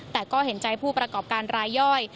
แต่ก็เห็นใจผู้ประกอบการรายย่อย